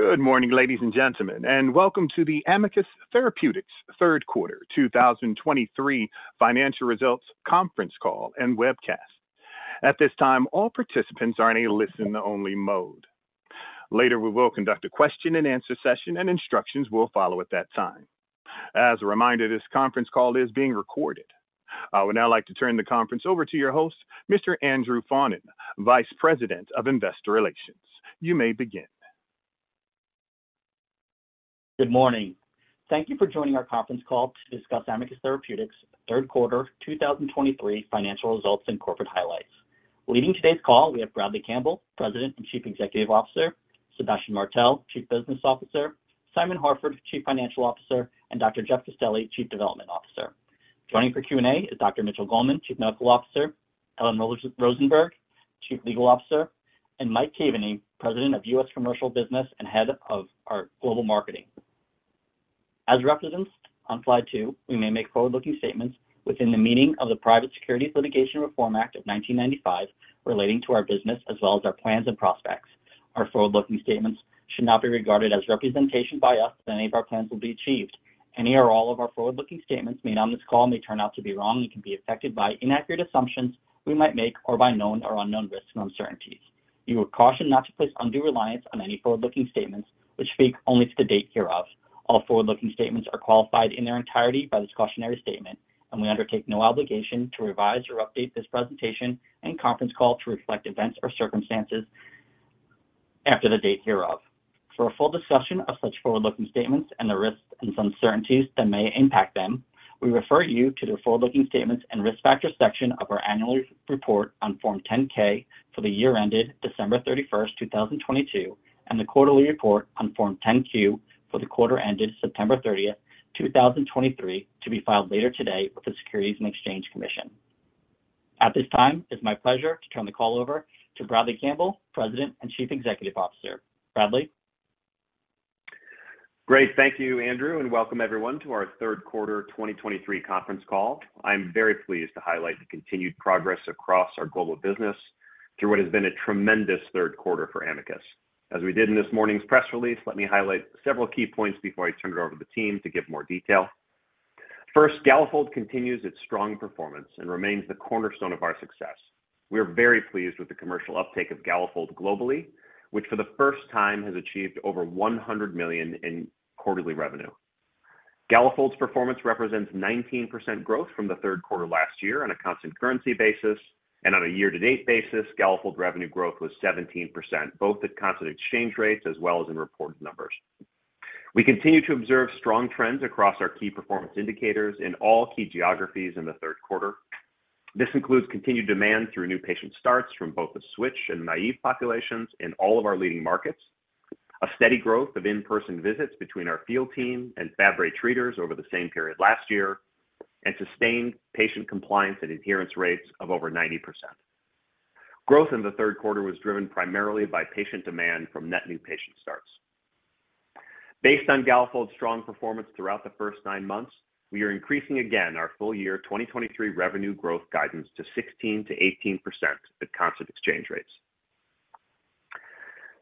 Good morning, ladies and gentlemen, and welcome to the Amicus Therapeutics third quarter 2023 financial results conference call and webcast. At this time, all participants are in a listen-only mode. Later, we will conduct a question-and-answer session, and instructions will follow at that time. As a reminder, this conference call is being recorded. I would now like to turn the conference over to your host, Mr. Andrew Faughnan, Vice President of Investor Relations. You may begin. Good morning. Thank you for joining our conference call to discuss Amicus Therapeutics' third quarter 2023 financial results and corporate highlights. Leading today's call, we have Bradley Campbell, President and Chief Executive Officer, Sébastien Martel, Chief Business Officer, Simon Harford, Chief Financial Officer, and Dr. Jeff Castelli, Chief Development Officer. Joining for Q&A is Dr. Mitchell Goldman, Chief Medical Officer, Ellen Rosenberg, Chief Legal Officer, and Mike Keavany, President of U.S. Commercial Business and Head of our Global Marketing. As represented on slide two, we may make forward-looking statements within the meaning of the Private Securities Litigation Reform Act of 1995, relating to our business as well as our plans and prospects. Our forward-looking statements should not be regarded as representation by us that any of our plans will be achieved. Any or all of our forward-looking statements made on this call may turn out to be wrong and can be affected by inaccurate assumptions we might make or by known or unknown risks and uncertainties. You are cautioned not to place undue reliance on any forward-looking statements, which speak only to the date hereof. All forward-looking statements are qualified in their entirety by this cautionary statement, and we undertake no obligation to revise or update this presentation and conference call to reflect events or circumstances after the date hereof. For a full discussion of such forward-looking statements and the risks and uncertainties that may impact them, we refer you to the forward-looking statements and risk factors section of our annual report on Form 10-K for the year ended December 31st, 2022, and the quarterly report on Form 10-Q for the quarter ended September 30th, 2023, to be filed later today with the Securities and Exchange Commission. At this time, it's my pleasure to turn the call over to Bradley Campbell, President and Chief Executive Officer. Bradley? Great. Thank you, Andrew, and welcome everyone to our third quarter 2023 conference call. I'm very pleased to highlight the continued progress across our global business through what has been a tremendous third quarter for Amicus. As we did in this morning's press release, let me highlight several key points before I turn it over to the team to give more detail. First, Galafold continues its strong performance and remains the cornerstone of our success. We are very pleased with the commercial uptake of Galafold globally, which for the first time, has achieved over $100 million in quarterly revenue. Galafold's performance represents 19% growth from the third quarter last year on a constant currency basis, and on a year-to-date basis, Galafold revenue growth was 17%, both at constant exchange rates as well as in reported numbers. We continue to observe strong trends across our key performance indicators in all key geographies in the third quarter. This includes continued demand through new patient starts from both the switch and naive populations in all of our leading markets, a steady growth of in-person visits between our field team and Fabry treaters over the same period last year, and sustained patient compliance and adherence rates of over 90%. Growth in the third quarter was driven primarily by patient demand from net new patient starts. Based on Galafold's strong performance throughout the first nine months, we are increasing again our full-year 2023 revenue growth guidance to 16%-18% at constant exchange rates.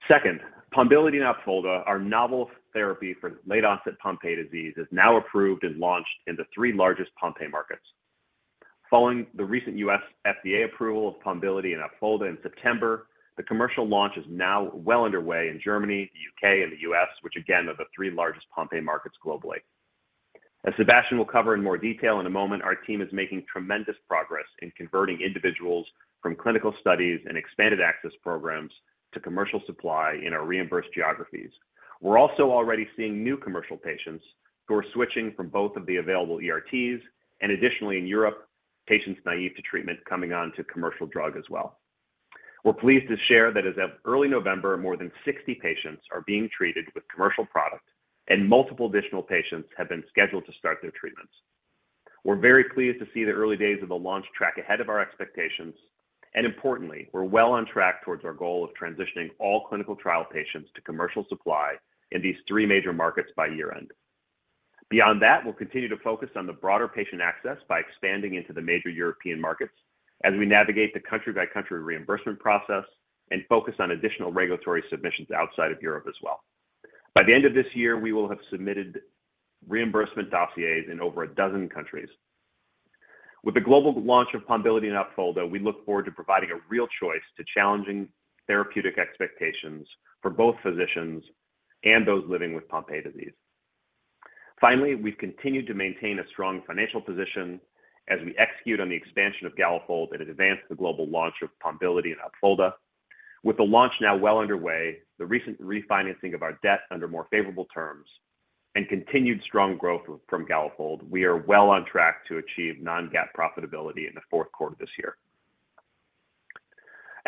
Second, Pombiliti and Opfolda, our novel therapy for late-onset Pompe disease, is now approved and launched in the three largest Pompe markets. Following the recent U.S. FDA approval of Pombiliti and Opfolda in September, the commercial launch is now well underway in Germany, the U.K., and the U.S., which again, are the three largest Pompe markets globally. As Sébastien will cover in more detail in a moment, our team is making tremendous progress in converting individuals from clinical studies and expanded access programs to commercial supply in our reimbursed geographies. We're also already seeing new commercial patients who are switching from both of the available ERTs and additionally, in Europe, patients naive to treatment coming on to commercial drug as well. We're pleased to share that as of early November, more than 60 patients are being treated with commercial product, and multiple additional patients have been scheduled to start their treatments. We're very pleased to see the early days of the launch track ahead of our expectations, and importantly, we're well on track towards our goal of transitioning all clinical trial patients to commercial supply in these three major markets by year-end. Beyond that, we'll continue to focus on the broader patient access by expanding into the major European markets as we navigate the country-by-country reimbursement process and focus on additional regulatory submissions outside of Europe as well. By the end of this year, we will have submitted reimbursement dossiers in over a dozen countries. With the global launch of Pombiliti and Opfolda, we look forward to providing a real choice to challenging therapeutic expectations for both physicians and those living with Pompe disease. Finally, we've continued to maintain a strong financial position as we execute on the expansion of Galafold and advance the global launch of Pombiliti and Opfolda. With the launch now well underway, the recent refinancing of our debt under more favorable terms and continued strong growth from Galafold, we are well on track to achieve non-GAAP profitability in the fourth quarter this year.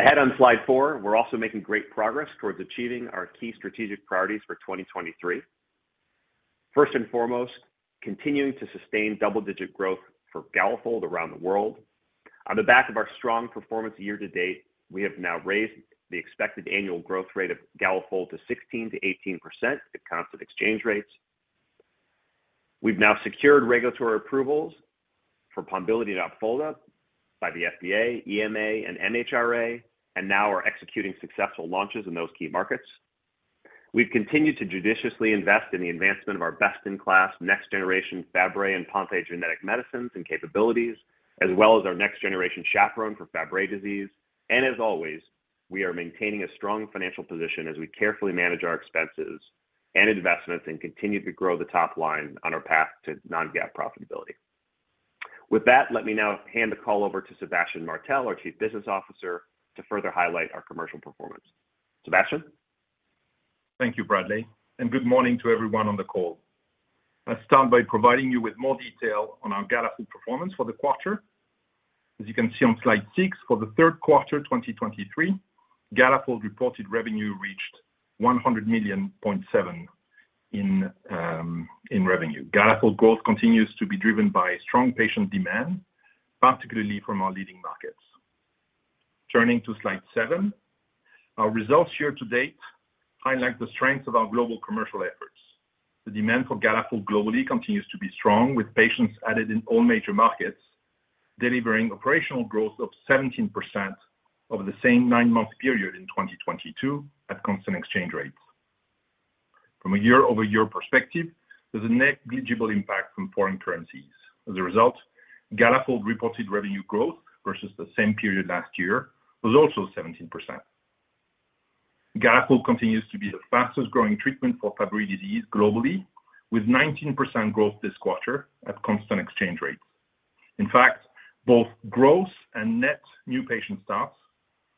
Ahead on slide four, we're also making great progress towards achieving our key strategic priorities for 2023. First and foremost, continuing to sustain double-digit growth for Galafold around the world. On the back of our strong performance year to date, we have now raised the expected annual growth rate of Galafold to 16%-18% at constant exchange rates.... We've now secured regulatory approvals for Pombiliti Opfolda by the FDA, EMA, and MHRA, and now are executing successful launches in those key markets. We've continued to judiciously invest in the advancement of our best-in-class, next-generation Fabry and Pompe genetic medicines and capabilities, as well as our next-generation chaperone for Fabry disease. As always, we are maintaining a strong financial position as we carefully manage our expenses and investments and continue to grow the top line on our path to non-GAAP profitability. With that, let me now hand the call over to Sébastien Martel, our Chief Business Officer, to further highlight our commercial performance. Sébastien? Thank you, Bradley, and good morning to everyone on the call. I'll start by providing you with more detail on our Galafold performance for the quarter. As you can see on slide six, for the third quarter, 2023, Galafold reported revenue reached $100.7 million in revenue. Galafold growth continues to be driven by strong patient demand, particularly from our leading markets. Turning to slide seven, our results year to date highlight the strength of our global commercial efforts. The demand for Galafold globally continues to be strong, with patients added in all major markets, delivering operational growth of 17% over the same nine-month period in 2022 at constant exchange rates. From a year-over-year perspective, there's a negligible impact from foreign currencies. As a result, Galafold reported revenue growth versus the same period last year was also 17%. Galafold continues to be the fastest-growing treatment for Fabry disease globally, with 19% growth this quarter at constant exchange rates. In fact, both growth and net new patient starts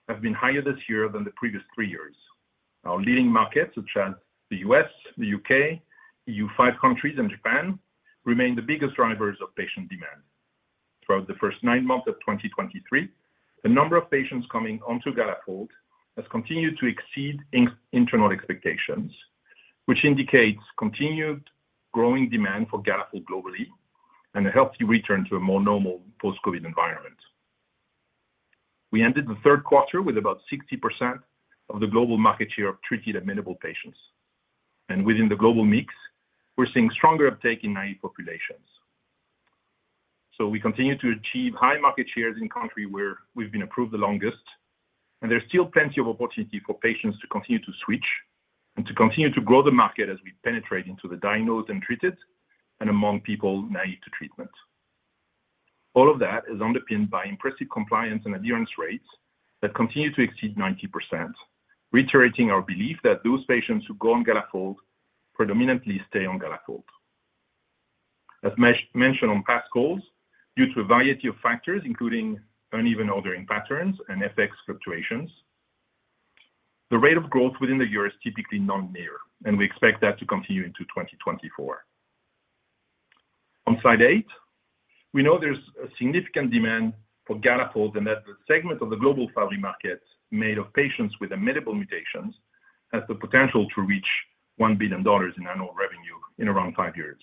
have been higher this year than the previous three years. Our leading markets, such as the U.S., the U.K., EU5 countries, and Japan, remain the biggest drivers of patient demand. Throughout the first nine months of 2023, the number of patients coming onto Galafold has continued to exceed internal expectations, which indicates continued growing demand for Galafold globally and a healthy return to a more normal post-COVID environment. We ended the third quarter with about 60% of the global market share of treated amenable patients, and within the global mix, we're seeing stronger uptake in naive populations. So we continue to achieve high market shares in country where we've been approved the longest, and there's still plenty of opportunity for patients to continue to switch and to continue to grow the market as we penetrate into the diagnosed and treated, and among people naive to treatment. All of that is underpinned by impressive compliance and adherence rates that continue to exceed 90%, reiterating our belief that those patients who go on Galafold predominantly stay on Galafold. As mentioned on past calls, due to a variety of factors, including uneven ordering patterns and FX fluctuations, the rate of growth within the year is typically non-linear, and we expect that to continue into 2024. On slide eight, we know there's a significant demand for Galafold, and that the segment of the global Fabry market made of patients with amenable mutations has the potential to reach $1 billion in annual revenue in around five years.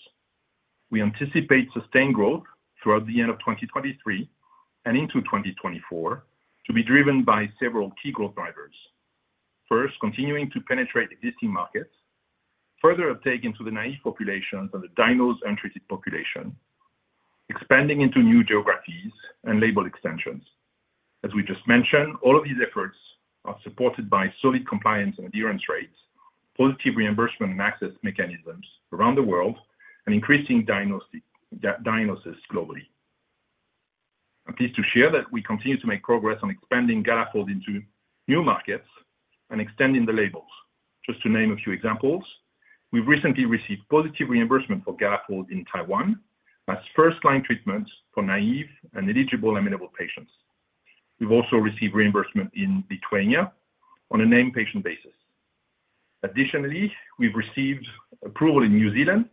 We anticipate sustained growth throughout the end of 2023 and into 2024 to be driven by several key growth drivers. First, continuing to penetrate existing markets, further uptake into the naive populations and the diagnosed untreated population, expanding into new geographies and label extensions. As we just mentioned, all of these efforts are supported by solid compliance and adherence rates, positive reimbursement and access mechanisms around the world, and increasing diagnosis globally. I'm pleased to share that we continue to make progress on expanding Galafold into new markets and extending the labels. Just to name a few examples, we've recently received positive reimbursement for Galafold in Taiwan as first-line treatment for naïve and eligible amenable patients. We've also received reimbursement in Lithuania on a named patient basis. Additionally, we've received approval in New Zealand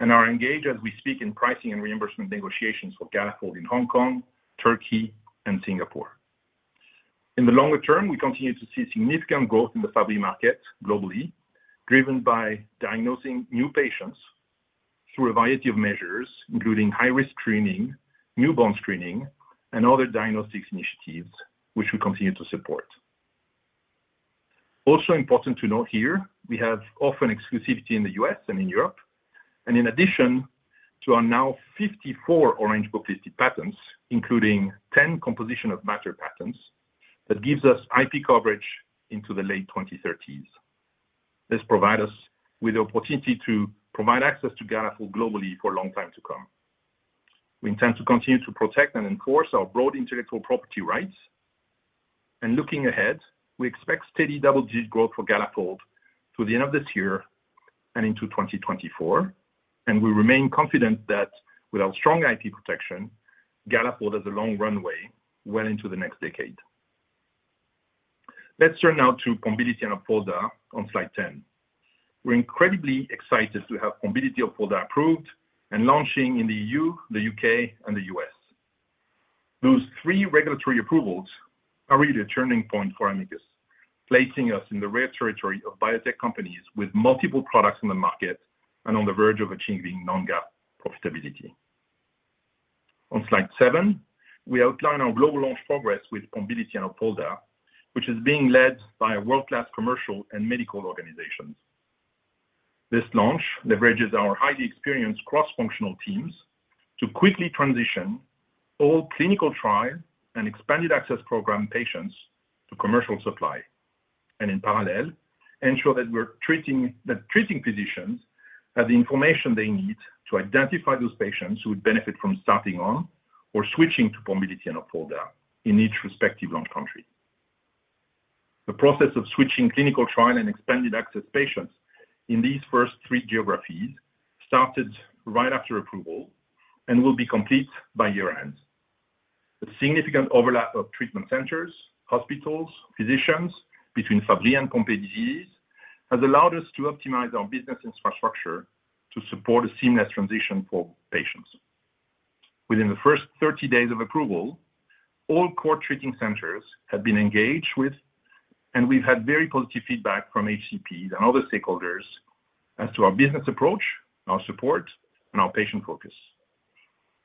and are engaged, as we speak, in pricing and reimbursement negotiations for Galafold in Hong Kong, Turkey, and Singapore. In the longer term, we continue to see significant growth in the Fabry market globally, driven by diagnosing new patients through a variety of measures, including high-risk screening, newborn screening, and other diagnostics initiatives, which we continue to support. Also important to note here, we have robust exclusivity in the U.S. and in Europe, and in addition to our now 54 Orange Book-listed patents, including 10 composition of matter patents, that gives us IP coverage into the late 2030s. This provide us with the opportunity to provide access to Galafold globally for a long time to come. We intend to continue to protect and enforce our broad intellectual property rights. Looking ahead, we expect steady double-digit growth for Galafold through the end of this year and into 2024, and we remain confident that with our strong IP protection, Galafold has a long runway well into the next decade. Let's turn now to Pombiliti and Opfolda on slide 10. We're incredibly excited to have Pombiliti Opfolda approved and launching in the EU, the U.K., and the U.S. Those three regulatory approvals are really a turning point for Amicus, placing us in the rare territory of biotech companies with multiple products on the market and on the verge of achieving Non-GAAP profitability. On slide seven, we outline our global launch progress with Pombiliti and Opfolda, which is being led by a world-class commercial and medical organizations. This launch leverages our highly experienced cross-functional teams to quickly transition all clinical trial and expanded access program patients to commercial supply, and in parallel, ensure that treating physicians have the information they need to identify those patients who would benefit from starting on or switching to Pombiliti and Opfolda in each respective launch country. The process of switching clinical trial and expanded access patients in these first three geographies started right after approval and will be complete by year-end. A significant overlap of treatment centers, hospitals, physicians between Fabry and Pompe disease has allowed us to optimize our business infrastructure to support a seamless transition for patients. Within the first 30 days of approval, all core treating centers have been engaged with, and we've had very positive feedback from HCPs and other stakeholders as to our business approach, our support, and our patient focus.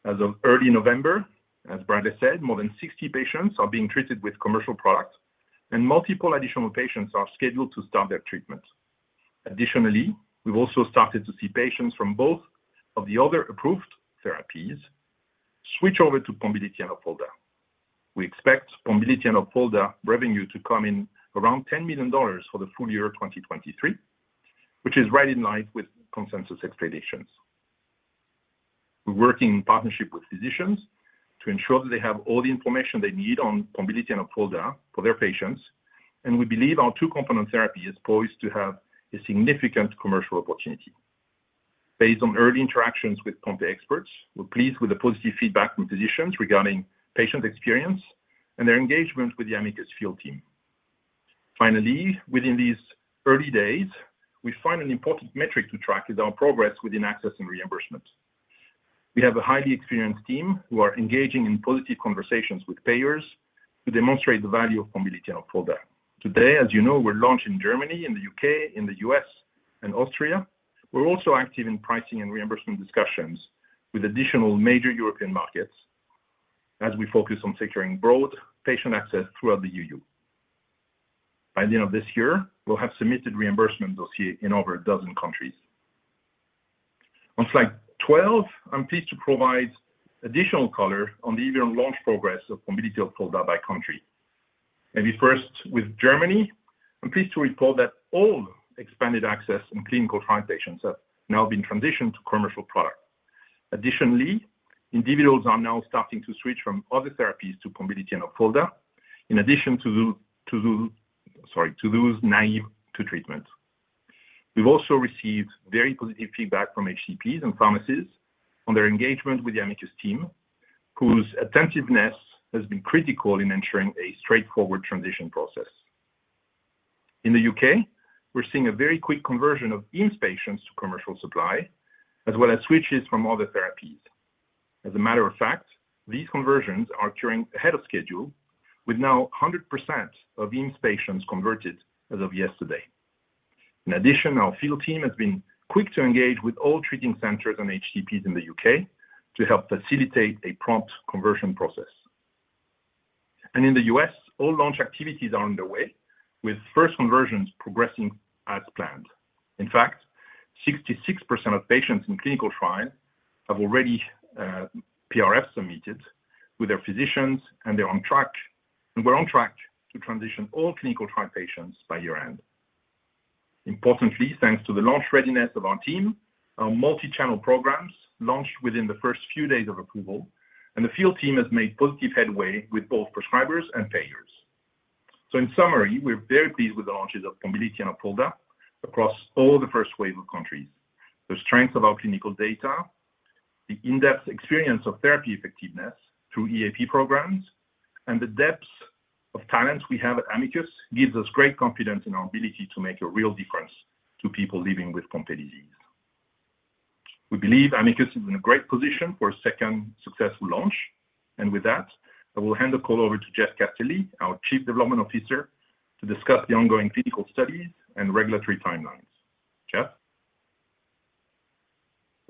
As of early November, as Bradley said, more than 60 patients are being treated with commercial products, and multiple additional patients are scheduled to start their treatment. Additionally, we've also started to see patients from both of the other approved therapies switch over to Pombiliti and Opfolda. We expect Pombiliti and Opfolda revenue to come in around $10 million for the full year of 2023, which is right in line with consensus expectations. We're working in partnership with physicians to ensure that they have all the information they need on Pombiliti and Opfolda for their patients, and we believe our two-component therapy is poised to have a significant commercial opportunity. Based on early interactions with Pompe experts, we're pleased with the positive feedback from physicians regarding patient experience and their engagement with the Amicus field team. Finally, within these early days, we find an important metric to track is our progress within access and reimbursement. We have a highly experienced team who are engaging in positive conversations with payers to demonstrate the value of Pombiliti and Opfolda. Today, as you know, we're launched in Germany, in the U.K., in the U.S., and Austria. We're also active in pricing and reimbursement discussions with additional major European markets as we focus on securing broad patient access throughout the EU. By the end of this year, we'll have submitted reimbursement dossiers in over a dozen countries. On slide 12, I'm pleased to provide additional color on the ongoing launch progress of Pombiliti and Opfolda by country. Maybe first, with Germany, I'm pleased to report that all expanded access and clinical trial patients have now been transitioned to commercial product. Additionally, individuals are now starting to switch from other therapies to Pombiliti and Opfolda, in addition to those naïve to treatment. We've also received very positive feedback from HCPs and pharmacies on their engagement with the Amicus team, whose attentiveness has been critical in ensuring a straightforward transition process. In the U.K., we're seeing a very quick conversion of EAP patients to commercial supply, as well as switches from other therapies. As a matter of fact, these conversions are occurring ahead of schedule, with now 100% of EAMS patients converted as of yesterday. In addition, our field team has been quick to engage with all treating centers and HCPs in the U.K. to help facilitate a prompt conversion process. In the U.S., all launch activities are underway, with first conversions progressing as planned. In fact, 66% of patients in clinical trial have already PRF submitted with their physicians, and they're on track, and we're on track to transition all clinical trial patients by year-end. Importantly, thanks to the launch readiness of our team, our multi-channel programs launched within the first few days of approval, and the field team has made positive headway with both prescribers and payers. In summary, we're very pleased with the launches of Pombiliti and Opfolda across all the first wave of countries. The strength of our clinical data, the in-depth experience of therapy effectiveness through EAP programs, and the depths of talent we have at Amicus, gives us great confidence in our ability to make a real difference to people living with Pompe disease. We believe Amicus is in a great position for a second successful launch. And with that, I will hand the call over to Jeff Castelli, our Chief Development Officer, to discuss the ongoing clinical studies and regulatory timelines. Jeff?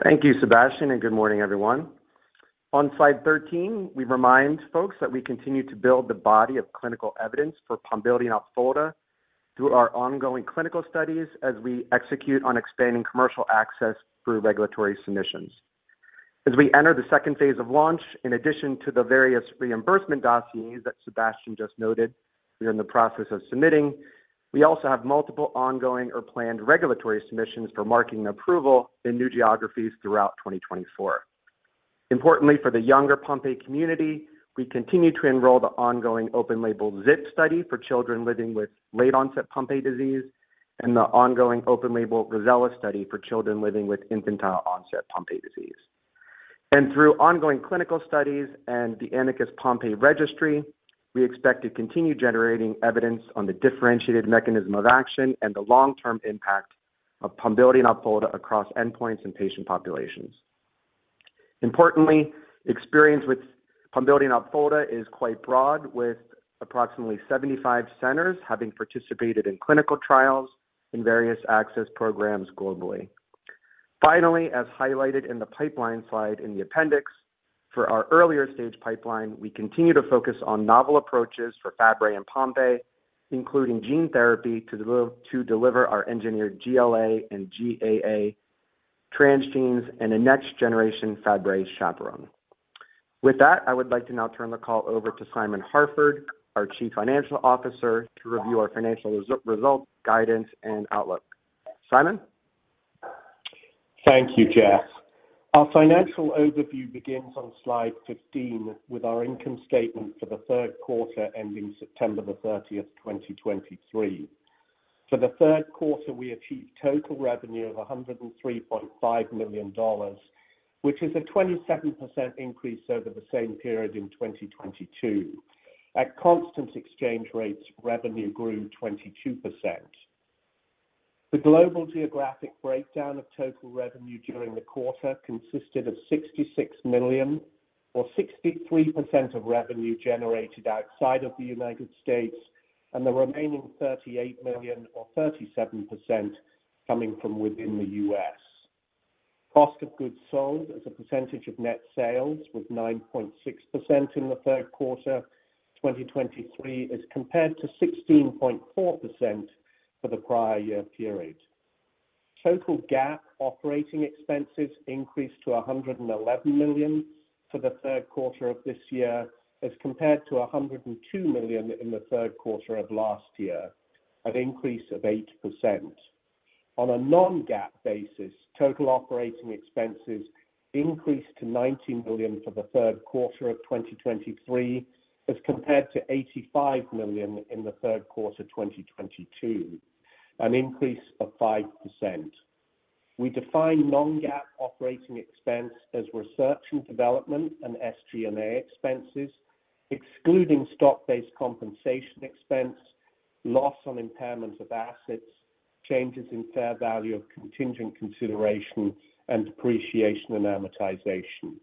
Thank you, Sébastien, and good morning, everyone. On slide 13, we remind folks that we continue to build the body of clinical evidence for Pombiliti and Opfolda through our ongoing clinical studies as we execute on expanding commercial access through regulatory submissions. As we enter the second phase of launch, in addition to the various reimbursement dossiers that Sébastien just noted, we are in the process of submitting. We also have multiple ongoing or planned regulatory submissions for marketing approval in new geographies throughout 2024. Importantly, for the younger Pompe community, we continue to enroll the ongoing open-label ZIP study for children living with late-onset Pompe disease, and the ongoing open-label Rosella study for children living with infantile-onset Pompe disease. Through ongoing clinical studies and the Amicus Pompe Registry, we expect to continue generating evidence on the differentiated mechanism of action and the long-term impact of Pombiliti and Opfolda across endpoints and patient populations. Importantly, experience with Pombiliti and Opfolda is quite broad, with approximately 75 centers having participated in clinical trials in various access programs globally. Finally, as highlighted in the pipeline slide in the appendix, for our earlier-stage pipeline, we continue to focus on novel approaches for Fabry and Pompe, including gene therapy, to deliver our engineered GLA and GAA transgenes and a next-generation Fabry chaperone. With that, I would like to now turn the call over to Simon Harford, our Chief Financial Officer, to review our financial results, guidance, and outlook. Simon? Thank you, Jeff. Our financial overview begins on slide 15, with our income statement for the third quarter ending September 30, 2023. For the third quarter, we achieved total revenue of $103.5 million, which is a 27% increase over the same period in 2022. At constant exchange rates, revenue grew 22%. The global geographic breakdown of total revenue during the quarter consisted of $66 million, or 63% of revenue generated outside of the United States, and the remaining $38 million, or 37%, coming from within the U.S. Cost of goods sold as a percentage of net sales was 9.6% in the third quarter 2023, as compared to 16.4% for the prior year period. Total GAAP operating expenses increased to $111 million for the third quarter of this year, as compared to $102 million in the third quarter of last year, an increase of 8%. On a non-GAAP basis, total operating expenses increased to $90 million for the third quarter of 2023, as compared to $85 million in the third quarter of 2022, an increase of 5%. We define non-GAAP operating expense as research and development and SG&A expenses, excluding stock-based compensation expense, loss on impairment of assets, changes in fair value of contingent consideration, and depreciation and amortization.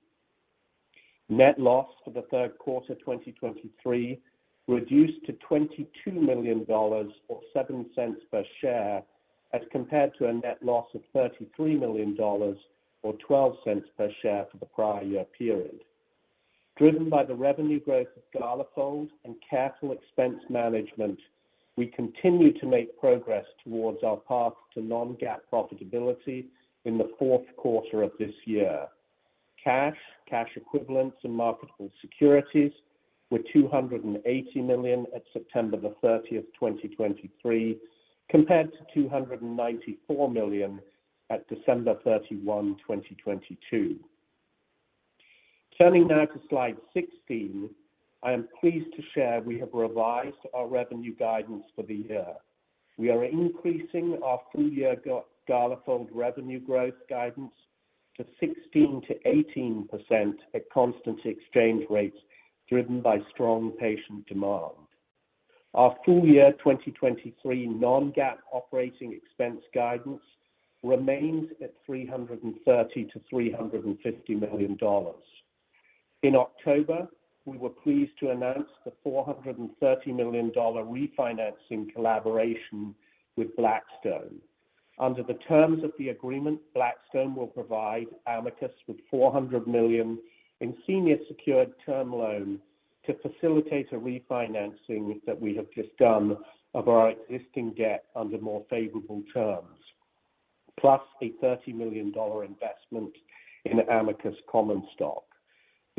Net loss for the third quarter 2023 reduced to $22 million, or $0.07 per share, as compared to a net loss of $33 million or $0.12 per share for the prior year period. Driven by the revenue growth of Galafold and careful expense management, we continue to make progress towards our path to non-GAAP profitability in the fourth quarter of this year. Cash, cash equivalents, and marketable securities were $280 million at September 30, 2023, compared to $294 million at December 31, 2022. Turning now to slide 16, I am pleased to share we have revised our revenue guidance for the year. We are increasing our full-year Galafold revenue growth guidance to 16%-18% at constant exchange rates, driven by strong patient demand. Our full year 2023 non-GAAP operating expense guidance remains at $330 million-$350 million. In October, we were pleased to announce the $430 million refinancing collaboration with Blackstone. Under the terms of the agreement, Blackstone will provide Amicus with $400 million in senior secured term loan to facilitate a refinancing that we have just done of our existing debt under more favorable terms, plus a $30 million investment in Amicus common stock.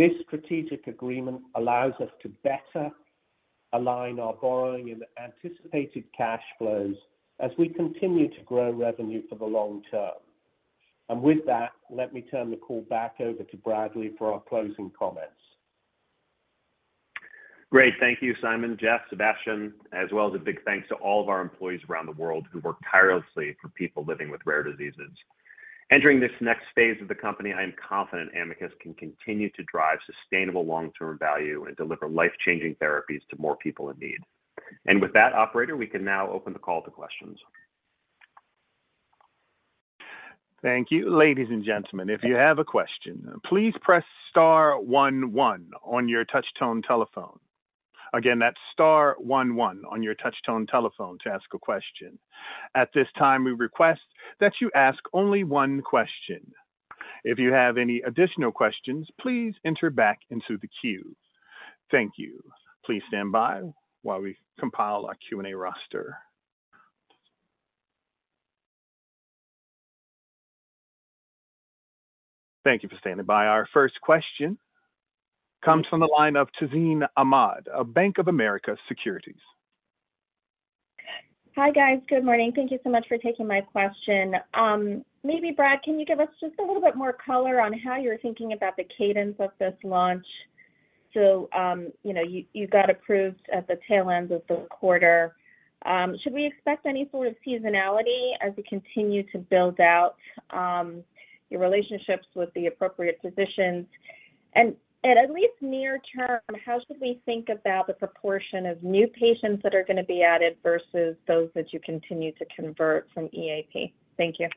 This strategic agreement allows us to better align our borrowing and anticipated cash flows as we continue to grow revenue for the long term. With that, let me turn the call back over to Bradley for our closing comments. Great. Thank you, Simon, Jeff, Sébastien, as well as a big thanks to all of our employees around the world who work tirelessly for people living with rare diseases. Entering this next phase of the company, I am confident Amicus can continue to drive sustainable long-term value and deliver life-changing therapies to more people in need. And with that, operator, we can now open the call to questions. Thank you. Ladies and gentlemen, if you have a question, please press star one one on your touchtone telephone. Again, that's star one one on your touchtone telephone to ask a question. At this time, we request that you ask only one question. If you have any additional questions, please enter back into the queue. Thank you. Please stand by while we compile our Q&A roster. Thank you for standing by. Our first question comes from the line of Tazeen Ahmad of Bank of America Securities. Hi, guys. Good morning. Thank you so much for taking my question. Maybe, Brad, can you give us just a little bit more color on how you're thinking about the cadence of this launch? So, you know, you got approved at the tail end of the quarter. Should we expect any sort of seasonality as we continue to build out your relationships with the appropriate physicians? And at least near term, how should we think about the proportion of new patients that are gonna be added versus those that you continue to convert from EAP? Thank you.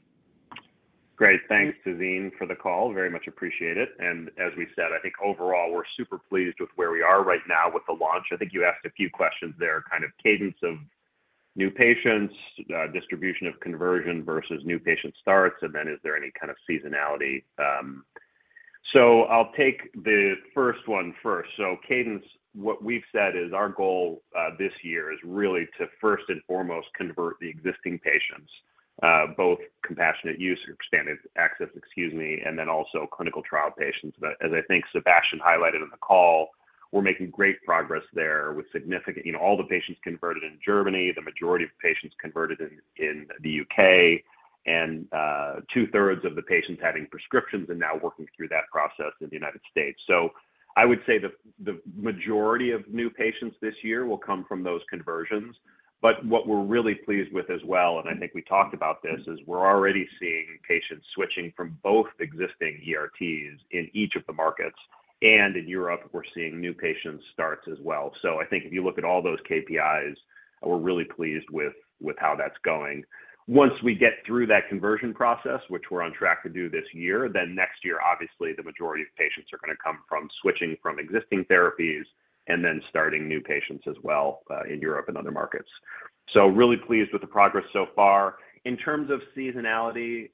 Great. Thanks, Tazeen, for the call. Very much appreciate it. As we said, I think overall, we're super pleased with where we are right now with the launch. I think you asked a few questions there, kind of cadence of new patients, distribution of conversion versus new patient starts, and then is there any kind of seasonality? I'll take the first one first. Cadence, what we've said is our goal, this year is really to first and foremost convert the existing patients, both compassionate use or standard access, excuse me, and then also clinical trial patients. But as I think Sébastien highlighted on the call, we're making great progress there with significant—you know, all the patients converted in Germany, the majority of patients converted in, in the U.K., and 2/3 of the patients having prescriptions and now working through that process in the United States. So I would say the, the majority of new patients this year will come from those conversions. But what we're really pleased with as well, and I think we talked about this, is we're already seeing patients switching from both existing ERTs in each of the markets, and in Europe, we're seeing new patient starts as well. So I think if you look at all those KPIs, we're really pleased with, with how that's going. Once we get through that conversion process, which we're on track to do this year, then next year, obviously, the majority of patients are going to come from switching from existing therapies and then starting new patients as well, in Europe and other markets. So really pleased with the progress so far. In terms of seasonality,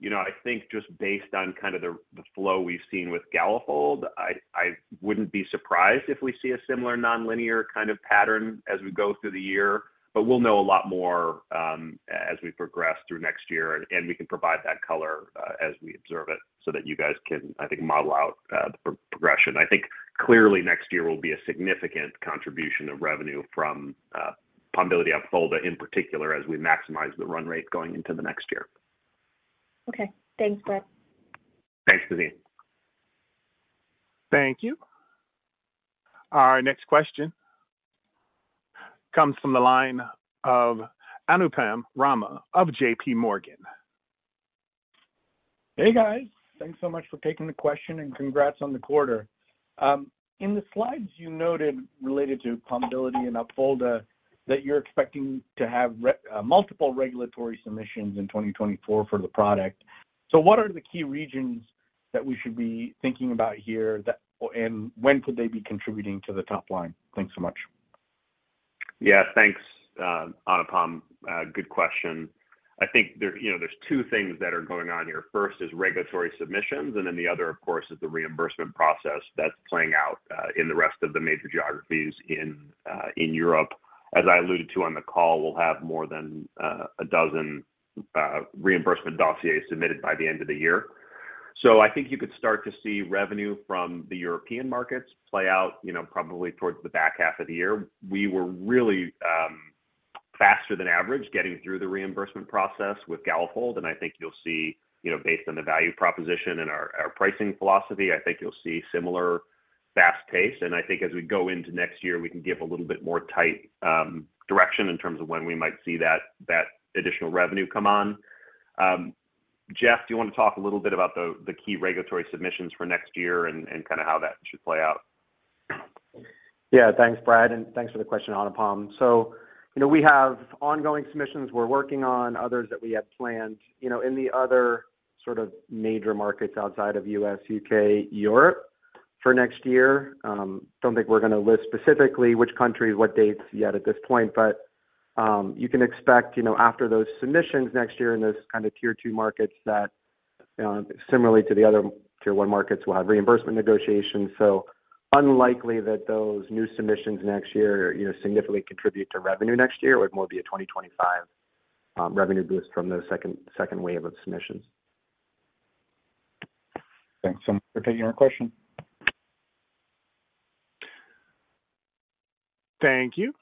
you know, I think just based on kind of the flow we've seen with Galafold, I wouldn't be surprised if we see a similar nonlinear kind of pattern as we go through the year, but we'll know a lot more, as we progress through next year, and we can provide that color, as we observe it so that you guys can, I think, model out the progression. I think clearly next year will be a significant contribution of revenue from Pombiliti and Opfolda, in particular, as we maximize the run rate going into the next year. Okay. Thanks, Brad. Thanks, Tazeen. Thank you. Our next question comes from the line of Anupam Rama of JPMorgan. Hey, guys. Thanks so much for taking the question, and congrats on the quarter. In the slides you noted, related to Pombiliti and Opfolda, that you're expecting to have multiple regulatory submissions in 2024 for the product. So what are the key regions that we should be thinking about here, and when could they be contributing to the top line? Thanks so much. Yeah, thanks, Anupam. Good question. I think there, you know, there's two things that are going on here. First is regulatory submissions, and then the other, of course, is the reimbursement process that's playing out in the rest of the major geographies in Europe. As I alluded to on the call, we'll have more than 12 reimbursement dossiers submitted by the end of the year. So I think you could start to see revenue from the European markets play out, you know, probably towards the back half of the year. We were really faster than average getting through the reimbursement process with Galafold, and I think you'll see, you know, based on the value proposition and our pricing philosophy, I think you'll see similar fast pace. I think as we go into next year, we can give a little bit more tight direction in terms of when we might see that additional revenue come on. Jeff, do you want to talk a little bit about the key regulatory submissions for next year and kind of how that should play out? Yeah. Thanks, Brad, and thanks for the question, Anupam. So, you know, we have ongoing submissions we're working on, others that we had planned, you know, in the other sort of major markets outside of U.S., U.K., Europe, for next year. Don't think we're going to list specifically which country, what dates yet at this point, but, you can expect, you know, after those submissions next year in those kind of tier two markets that, similarly to the other tier one markets, we'll have reimbursement negotiations. So unlikely that those new submissions next year, you know, significantly contribute to revenue next year. It will more be a 2025 revenue boost from the second, second wave of submissions. Thanks so much for taking my question. Thank you.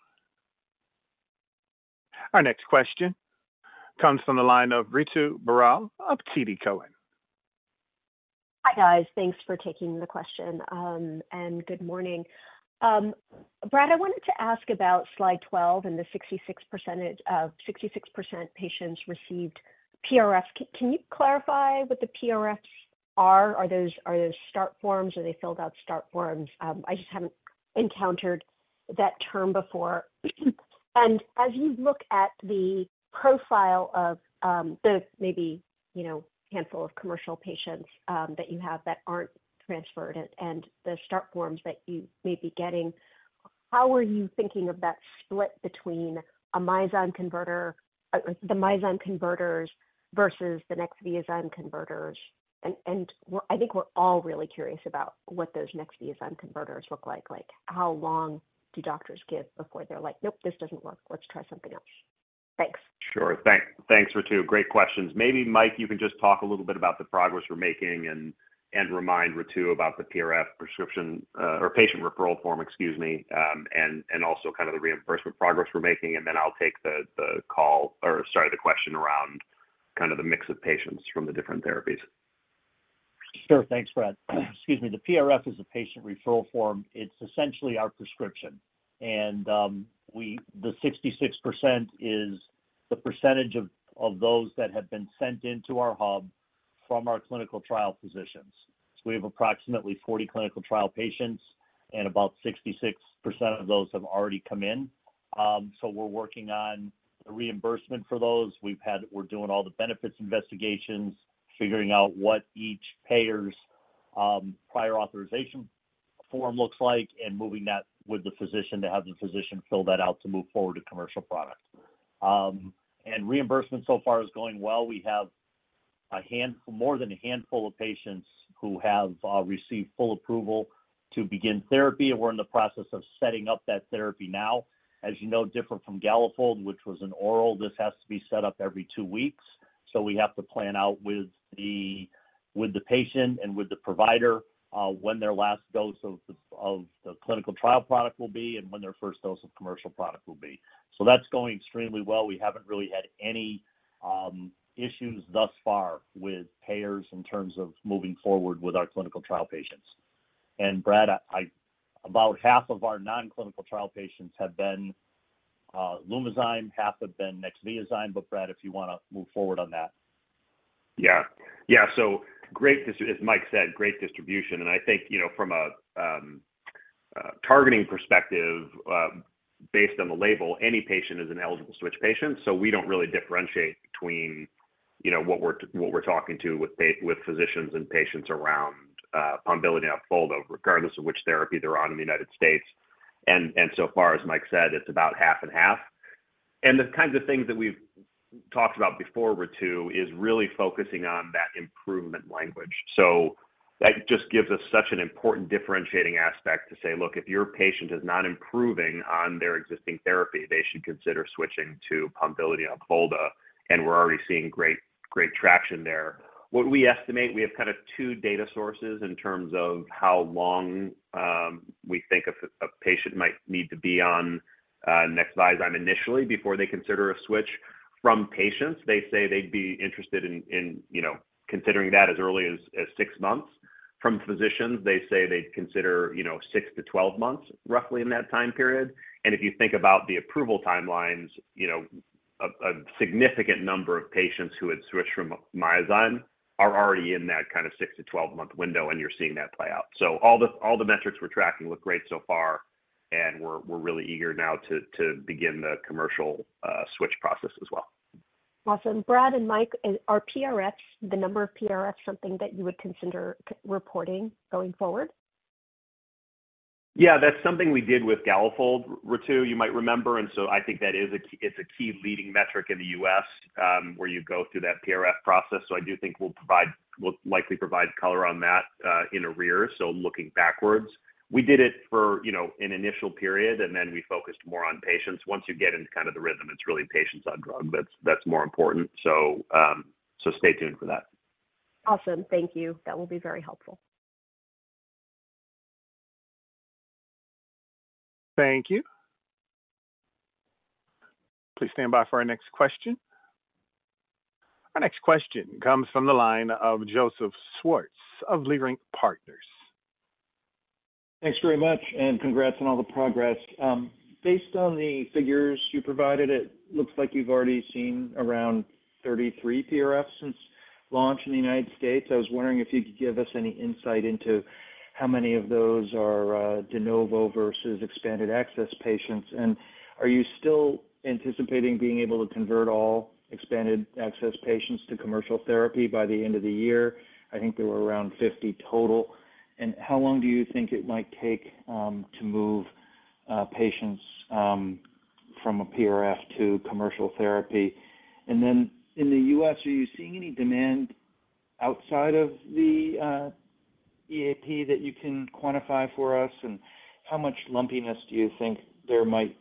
Our next question comes from the line of Ritu Baral of TD Cowen. Hi, guys. Thanks for taking the question, and good morning. Brad, I wanted to ask about slide 12 and the 66%, 66% patients received PRF. Can you clarify what the PRFs are? Are those, are those start forms or they filled out start forms? I just haven't encountered that term before. And as you look at the profile of, the maybe, you know, handful of commercial patients, that you have that aren't transferred and, and the start forms that you may be getting, how are you thinking of that split between a Myozyme converter, the Myozyme converters versus the NEXVIAZYME converters? And, and we're. I think we're all really curious about what those NEXVIAZYME converters look like, like, how long do doctors give before they're like, "Nope, this doesn't work. Let's try something else." Thanks. Sure. Thanks, Ritu. Great questions. Maybe, Mike, you can just talk a little bit about the progress we're making and remind Ritu about the PRF prescription, or patient referral form, excuse me, and also kind of the reimbursement progress we're making, and then I'll take the call, or sorry, the question around kind of the mix of patients from the different therapies. Sure. Thanks, Brad. Excuse me. The PRF is a patient referral form. It's essentially our prescription. And, the 66% is the percentage of those that have been sent into our hub from our clinical trial physicians. So we have approximately 40 clinical trial patients, and about 66% of those have already come in. So, we're working on the reimbursement for those. We're doing all the benefits investigations, figuring out what each payer's prior authorization form looks like and moving that with the physician, to have the physician fill that out to move forward to commercial product. And reimbursement so far is going well. We have more than a handful of patients who have received full approval to begin therapy, and we're in the process of setting up that therapy now. As you know, different from Galafold, which was an oral, this has to be set up every two weeks. So we have to plan out with the, with the patient and with the provider, when their last dose of the, of the clinical trial product will be and when their first dose of commercial product will be. So that's going extremely well. We haven't really had any issues thus far with payers in terms of moving forward with our clinical trial patients. And Brad, about half of our non-clinical trial patients have been Lumizyme, half have been NEXVIAZYME, but Brad, if you want to move forward on that. Yeah. Yeah, so great, as Mike said, great distribution, and I think, you know, from a targeting perspective, based on the label, any patient is an eligible switch patient, so we don't really differentiate between, you know, what we're talking to with physicians and patients around Pombiliti Opfolda, regardless of which therapy they're on in the United States. And so far, as Mike said, it's about half and half. And the kinds of things that we've talked about before, Ritu, is really focusing on that improvement language. So that just gives us such an important differentiating aspect to say, "Look, if your patient is not improving on their existing therapy, they should consider switching to Pombiliti Opfolda," and we're already seeing great, great traction there. What we estimate, we have kind of two data sources in terms of how long we think a patient might need to be on NEXVIAZYME initially before they consider a switch. From patients, they say they'd be interested in you know considering that as early as six months. From physicians, they say they'd consider you know six to 12 months, roughly in that time period. And if you think about the approval timelines, you know, a significant number of patients who had switched from Myozyme are already in that kind of six to 12-month window, and you're seeing that play out. So all the metrics we're tracking look great so far, and we're really eager now to begin the commercial switch process as well. Awesome. Brad and Mike, are PRFs, the number of PRFs, something that you would consider reporting going forward? Yeah, that's something we did with Galafold, Ritu, you might remember, and so I think that is a key, it's a key leading metric in the U.S., where you go through that PRF process. So I do think we'll likely provide color on that in arrears, so looking backwards. We did it for, you know, an initial period, and then we focused more on patients. Once you get into kind of the rhythm, it's really patients on drug, that's, that's more important. So, so stay tuned for that. Awesome. Thank you. That will be very helpful. Thank you. Please stand by for our next question. Our next question comes from the line of Joseph Schwartz of Leerink Partners. Thanks very much, and congrats on all the progress. Based on the figures you provided, it looks like you've already seen around 33 PRFs since launch in the United States. I was wondering if you could give us any insight into how many of those are de novo versus expanded access patients. And are you still anticipating being able to convert all expanded access patients to commercial therapy by the end of the year? I think there were around 50 total. And how long do you think it might take to move patients from a PRF to commercial therapy? And then in the U.S., are you seeing any demand outside of the EAP that you can quantify for us? And how much lumpiness do you think there might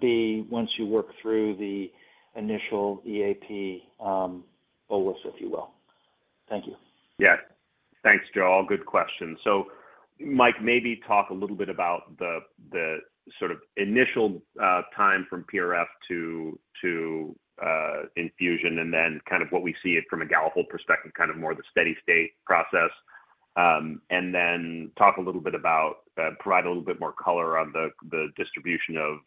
be once you work through the initial EAP bolus, if you will? Thank you. Yeah. Thanks, Joe. All good questions. So Mike, maybe talk a little bit about the, the sort of initial time from PRF to, to infusion, and then kind of what we see it from a Galafold perspective, kind of more the steady state process. And then talk a little bit about, provide a little bit more color on the, the distribution of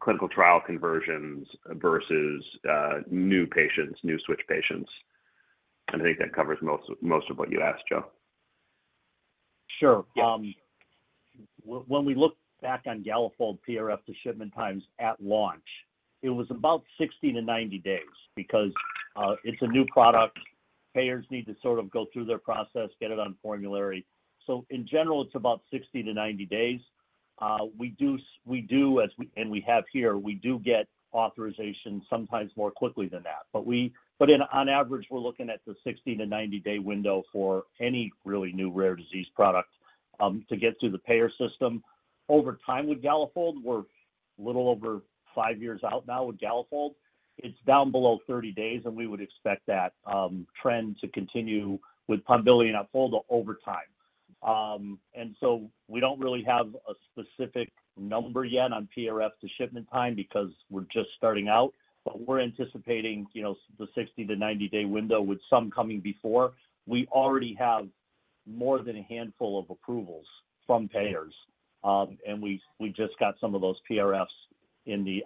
clinical trial conversions versus new patients, new switch patients. And I think that covers most, most of what you asked, Joe. Sure. When we look back on Galafold PRF, the shipment times at launch, it was about 60-90 days because it's a new product. Payers need to sort of go through their process, get it on formulary. So in general, it's about 60-90 days. We do, as we have here, we do get authorization sometimes more quickly than that. But in, on average, we're looking at the 60-90-day window for any really new rare disease product to get through the payer system. Over time, with Galafold, we're a little over five years out now with Galafold. It's down below 30 days, and we would expect that trend to continue with Pombiliti Opfolda over time. and so we don't really have a specific number yet on PRF to shipment time because we're just starting out, but we're anticipating, you know, the 60-90-day window, with some coming before. We already have more than a handful of approvals from payers, and we just got some of those PRFs in the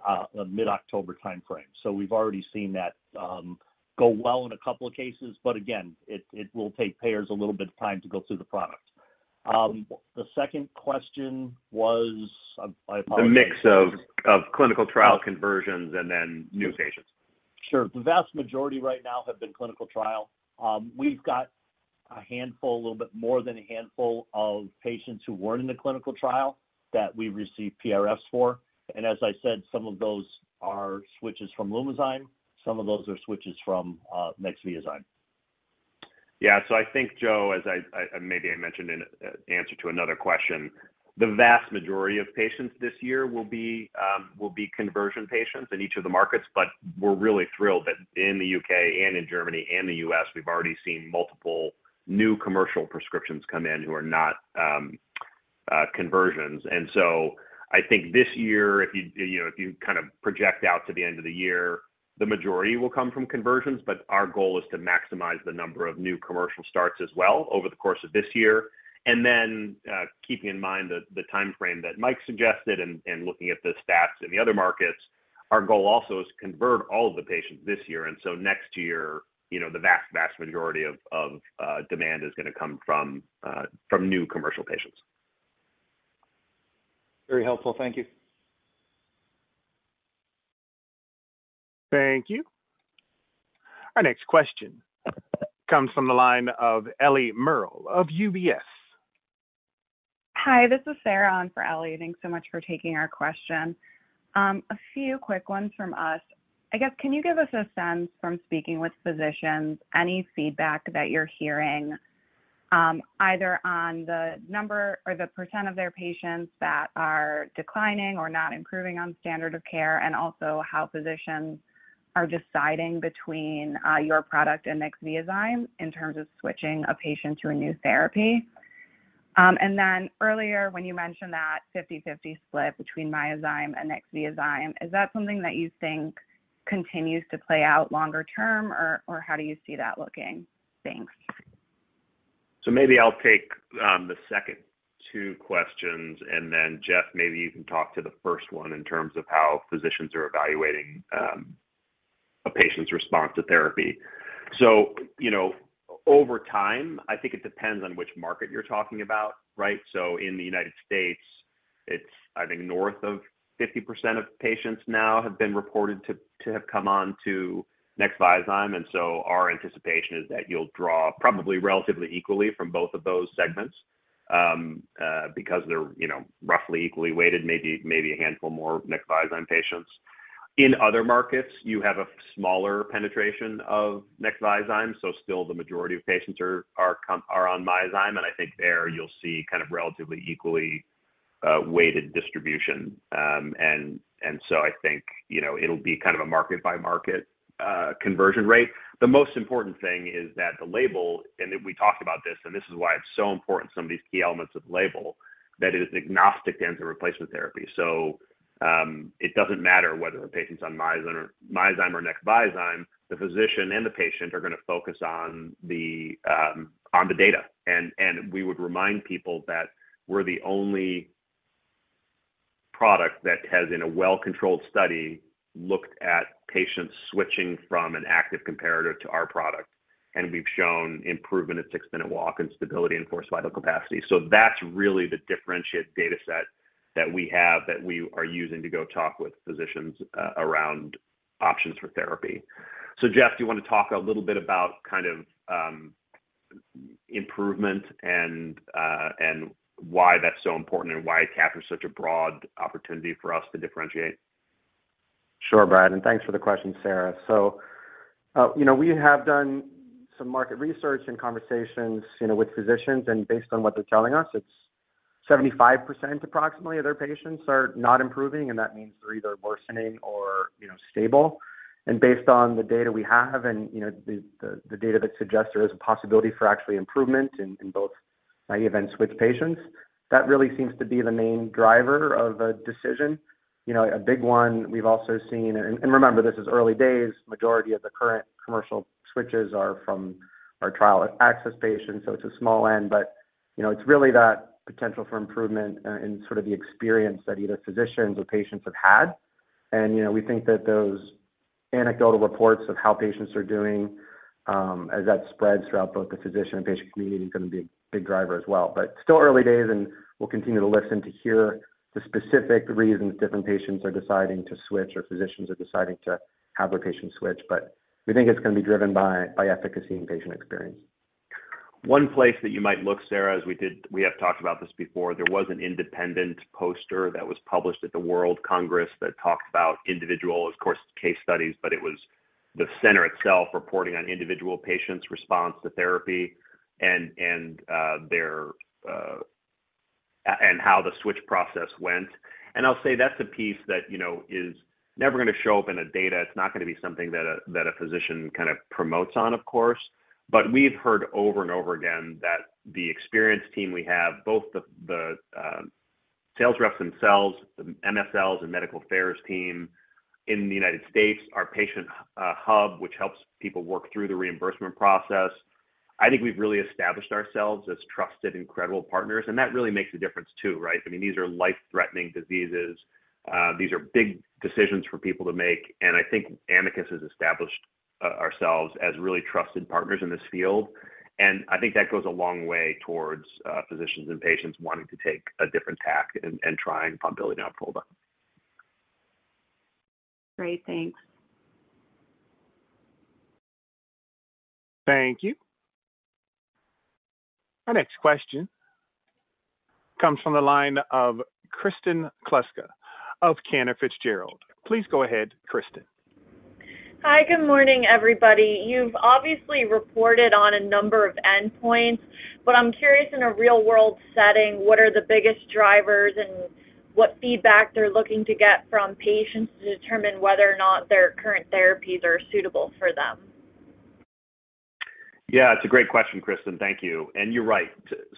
mid-October timeframe. So we've already seen that go well in a couple of cases, but again, it will take payers a little bit of time to go through the product. The second question was, I apologize. The mix of clinical trial conversions and then new patients. Sure. The vast majority right now have been clinical trial. We've got a handful, a little bit more than a handful of patients who weren't in the clinical trial that we receive PRFs for. And as I said, some of those are switches from Lumizyme, some of those are switches from NEXVIAZYME. Yeah. So I think, Joe, as I maybe I mentioned in an answer to another question, the vast majority of patients this year will be conversion patients in each of the markets, but we're really thrilled that in the U.K. and in Germany and the U.S., we've already seen multiple new commercial prescriptions come in who are not conversions. And so I think this year, if you, you know, if you kind of project out to the end of the year, the majority will come from conversions, but our goal is to maximize the number of new commercial starts as well over the course of this year. Then, keeping in mind the time frame that Mike suggested and looking at the stats in the other markets, our goal also is to convert all of the patients this year, and so next year, you know, the vast, vast majority of demand is gonna come from new commercial patients. Very helpful. Thank you. Thank you. Our next question comes from the line of Ellie Merle of UBS. Hi, this is Sarah on for Ellie. Thanks so much for taking our question. A few quick ones from us. I guess, can you give us a sense from speaking with physicians, any feedback that you're hearing, either on the number or the percent of their patients that are declining or not improving on standard of care, and also how physicians are deciding between, your product and NEXVIAZYME in terms of switching a patient to a new therapy? And then earlier, when you mentioned that 50/50 split between Myozyme and NEXVIAZYME, is that something that you think continues to play out longer term, or, or how do you see that looking? Thanks. So maybe I'll take the second two questions, and then, Jeff, maybe you can talk to the first one in terms of how physicians are evaluating a patient's response to therapy. So, you know, over time, I think it depends on which market you're talking about, right? So in the United States, it's, I think, north of 50% of patients now have been reported to have come on to NEXVIAZYME, and so our anticipation is that you'll draw probably relatively equally from both of those segments because they're, you know, roughly equally weighted, maybe a handful more of NEXVIAZYME patients. In other markets, you have a smaller penetration of NEXVIAZYME, so still the majority of patients are on Myozyme, and I think there you'll see kind of relatively equally weighted distribution. I think, you know, it'll be kind of a market-by-market conversion rate. The most important thing is that the label, and we talked about this, and this is why it's so important, some of these key elements of label, that is agnostic to enzyme replacement therapy. So, it doesn't matter whether the patient's on Myozyme or Myozyme or NEXVIAZYME, the physician and the patient are gonna focus on the data. And we would remind people that we're the only product that has, in a well-controlled study, looked at patients switching from an active comparator to our product, and we've shown improvement at six-minute walk and stability in forced vital capacity. So that's really the differentiated dataset that we have, that we are using to go talk with physicians around options for therapy. So, Jeff, do you want to talk a little bit about kind of improvement and why that's so important and why it captures such a broad opportunity for us to differentiate? Sure, Brad, and thanks for the question, Sarah. So, you know, we have done some market research and conversations, you know, with physicians, and based on what they're telling us, it's approximately 75% of their patients are not improving, and that means they're either worsening or, you know, stable. And based on the data we have and, you know, the data that suggests there is a possibility for actually improvement in both naive and switch patients, that really seems to be the main driver of a decision. You know, a big one we've also seen, and remember, this is early days, majority of the current commercial switches are from our trial access patients, so it's a small n, but, you know, it's really that potential for improvement and sort of the experience that either physicians or patients have had. You know, we think that those anecdotal reports of how patients are doing, as that spreads throughout both the physician and patient community, is gonna be a big driver as well. But still early days, and we'll continue to listen to hear the specific reasons different patients are deciding to switch or physicians are deciding to have their patients switch. But we think it's gonna be driven by, by efficacy and patient experience. One place that you might look, Sarah, as we did. We have talked about this before, there was an independent poster that was published at the World Congress that talked about individual, of course, case studies, but it was the center itself reporting on individual patients' response to therapy and their, and how the switch process went. I'll say that's the piece that, you know, is never gonna show up in the data. It's not gonna be something that a physician kind of promotes on, of course. But we've heard over and over again that the experienced team we have, both the sales reps themselves, the MSLs and medical affairs team in the United States, our patient hub, which helps people work through the reimbursement process, I think we've really established ourselves as trusted and credible partners, and that really makes a difference too, right? I mean, these are life-threatening diseases, these are big decisions for people to make, and I think Amicus has established ourselves as really trusted partners in this field. And I think that goes a long way towards physicians and patients wanting to take a different tack and trying Pombiliti Opfolda. Great. Thanks. Thank you. Our next question comes from the line of Kristen Kluska of Cantor Fitzgerald. Please go ahead, Kristen. Hi, good morning, everybody. You've obviously reported on a number of endpoints, but I'm curious, in a real-world setting, what are the biggest drivers and what feedback they're looking to get from patients to determine whether or not their current therapies are suitable for them? Yeah, it's a great question, Kristen. Thank you. And you're right.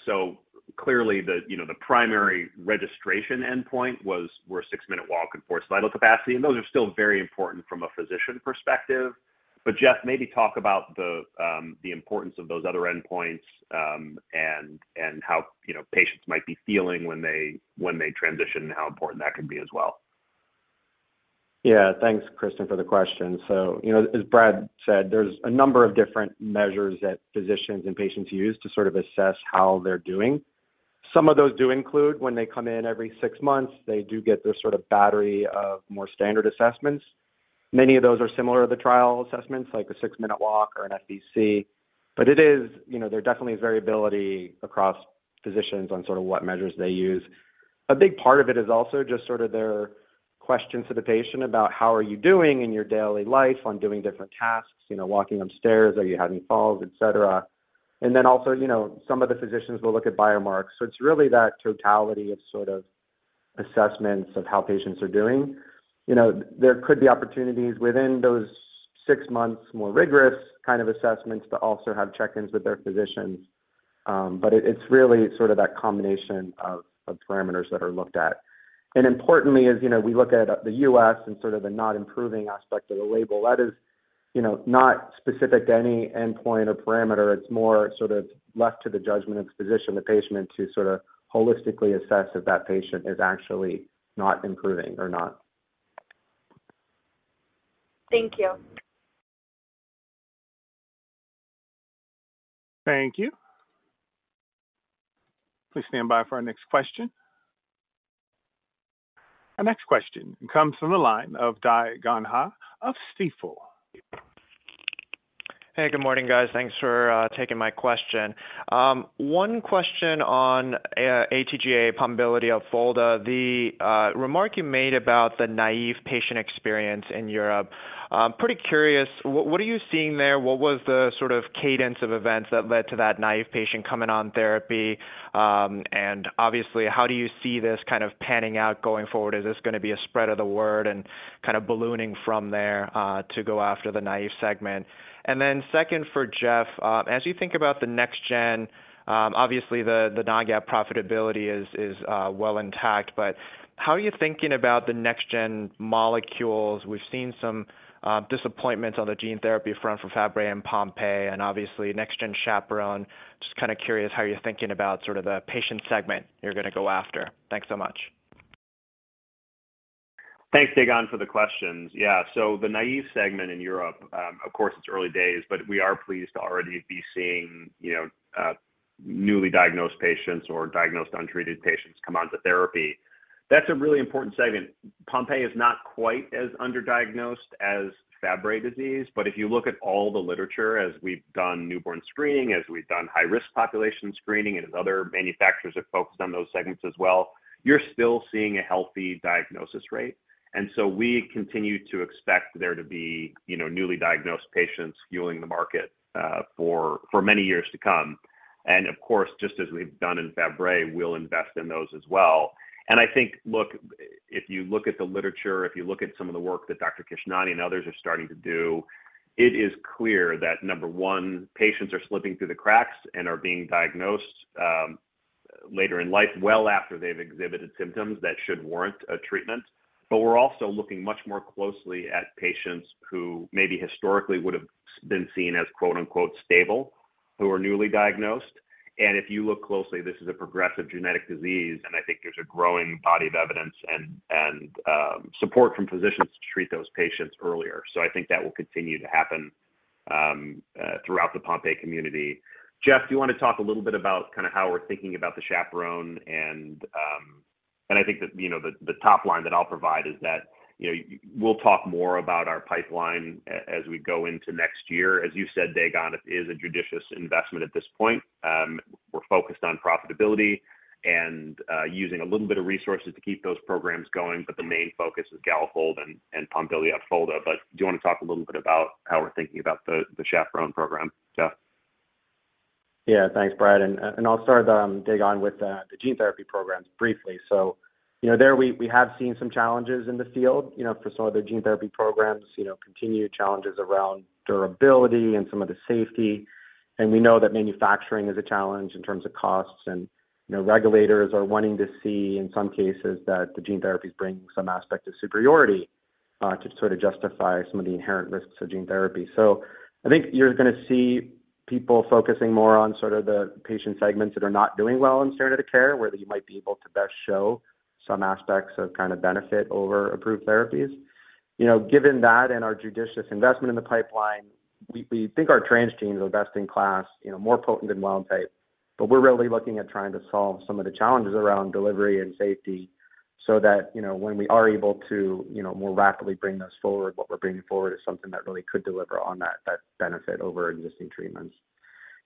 So clearly, the, you know, the primary registration endpoint was, were six-minute walk and forced vital capacity, and those are still very important from a physician perspective. But Jeff, maybe talk about the importance of those other endpoints, and how, you know, patients might be feeling when they transition and how important that could be as well. Yeah. Thanks, Kristen, for the question. So, you know, as Brad said, there's a number of different measures that physicians and patients use to sort of assess how they're doing. Some of those do include when they come in every six months, they do get this sort of battery of more standard assessments. Many of those are similar to the trial assessments, like a six-minute walk or an FVC. But it is, you know, there definitely is variability across physicians on sort of what measures they use. A big part of it is also just sort of their questions to the patient about how are you doing in your daily life on doing different tasks, you know, walking upstairs, are you having falls, et cetera. And then also, you know, some of the physicians will look at biomarkers. It's really that totality of sort of assessments of how patients are doing. You know, there could be opportunities within those six months, more rigorous kind of assessments, but also have check-ins with their physicians. But it, it's really sort of that combination of parameters that are looked at. Importantly, as you know, we look at the U.S. and sort of the not improving aspect of the label, that is, you know, not specific to any endpoint or parameter. It's more sort of left to the judgment of the physician, the patient, to sort of holistically assess if that patient is actually not improving or not. Thank you. Thank you. Please stand by for our next question. Our next question comes from the line of Dae Gon Ha of Stifel. Hey, good morning, guys. Thanks for taking my question. One question on AT-GAA Pombiliti Opfolda. The remark you made about the naive patient experience in Europe, I'm pretty curious, what are you seeing there? What was the sort of cadence of events that led to that naive patient coming on therapy? And obviously, how do you see this kind of panning out going forward? Is this gonna be a spread of the word and kind of ballooning from there to go after the naive segment? And then second, for Jeff, as you think about the next-gen, obviously the non-GAAP profitability is well intact, but how are you thinking about the next-gen molecules? We've seen some disappointments on the gene therapy front for Fabry and Pompe, and obviously next-gen chaperone. Just kind of curious how you're thinking about sort of the patient segment you're gonna go after? Thanks so much. Thanks, Dae Gon, for the questions. Yeah, so the naive segment in Europe, of course, it's early days, but we are pleased to already be seeing, you know, newly diagnosed patients or diagnosed untreated patients come onto therapy. That's a really important segment. Pompe is not quite as underdiagnosed as Fabry disease, but if you look at all the literature, as we've done newborn screening, as we've done high-risk population screening, and as other manufacturers have focused on those segments as well, you're still seeing a healthy diagnosis rate. And so we continue to expect there to be, you know, newly diagnosed patients fueling the market, for many years to come. And of course, just as we've done in Fabry, we'll invest in those as well. And I think, look, if you look at the literature, if you look at some of the work that Dr. Kishnani and others are starting to do, it is clear that, number one, patients are slipping through the cracks and are being diagnosed later in life, well after they've exhibited symptoms that should warrant a treatment. But we're also looking much more closely at patients who maybe historically would have been seen as, quote, unquote, "stable," who are newly diagnosed. If you look closely, this is a progressive genetic disease, and I think there's a growing body of evidence and support from physicians to treat those patients earlier. So I think that will continue to happen throughout the Pompe community. Jeff, do you want to talk a little bit about kind of how we're thinking about the chaperone and... I think that, you know, the top line that I'll provide is that, you know, we'll talk more about our pipeline as we go into next year. As you said, Dae Gon, it is a judicious investment at this point. We're focused on profitability and using a little bit of resources to keep those programs going, but the main focus is Galafold and Pombiliti and Opfolda. But do you want to talk a little bit about how we're thinking about the chaperone program, Jeff? Yeah. Thanks, Brad, and I'll start, Dae Gon, with the gene therapy programs briefly. So, you know, we have seen some challenges in the field, you know, for some other gene therapy programs, you know, continued challenges around durability and some of the safety. And we know that manufacturing is a challenge in terms of costs, and, you know, regulators are wanting to see in some cases that the gene therapy is bringing some aspect of superiority to sort of justify some of the inherent risks of gene therapy. So- I think you're gonna see people focusing more on sort of the patient segments that are not doing well in standard of care, where you might be able to best show some aspects of kind of benefit over approved therapies. You know, given that and our judicious investment in the pipeline, we think our transgenes are best in class, you know, more potent than wild type. But we're really looking at trying to solve some of the challenges around delivery and safety so that, you know, when we are able to, you know, more rapidly bring those forward, what we're bringing forward is something that really could deliver on that benefit over existing treatments.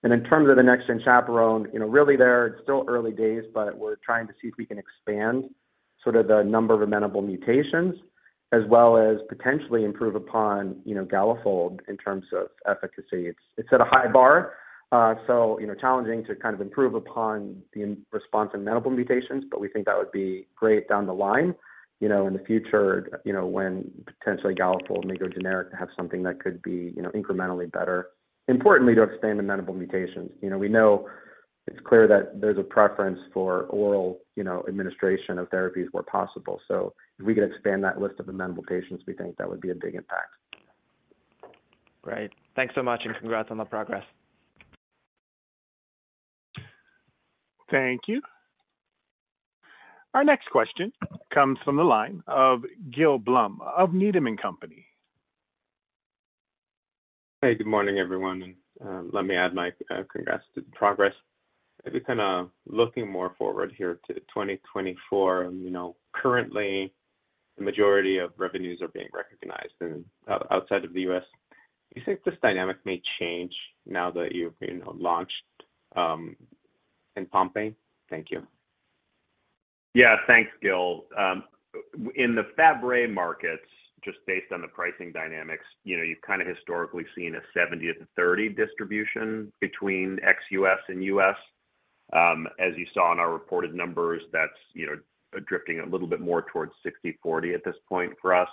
In terms of the next-gen chaperone, you know, really there, it's still early days, but we're trying to see if we can expand sort of the number of amenable mutations as well as potentially improve upon, you know, Galafold in terms of efficacy. It's, it's at a high bar, so, you know, challenging to kind of improve upon the response in amenable mutations, but we think that would be great down the line, you know, in the future, you know, when potentially Galafold may go generic to have something that could be, you know, incrementally better. Importantly, to expand the amenable mutations. You know, we know it's clear that there's a preference for oral, you know, administration of therapies where possible. So if we could expand that list of amenable patients, we think that would be a big impact. Great. Thanks so much, and congrats on the progress. Thank you. Our next question comes from the line of Gil Blum of Needham & Company. Hey, good morning, everyone, and let me add my congrats to the progress. Maybe kind of looking more forward here to 2024, you know, currently, the majority of revenues are being recognized outside of the U.S. Do you think this dynamic may change now that you've, you know, launched in Pompe? Thank you. Yeah, thanks, Gil. In the Fabry markets, just based on the pricing dynamics, you know, you've kind of historically seen a 70/30 distribution between ex-U.S. and U.S. As you saw in our reported numbers, that's, you know, drifting a little bit more towards 60/40 at this point for us.